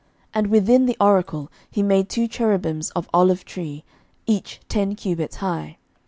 11:006:023 And within the oracle he made two cherubims of olive tree, each ten cubits high.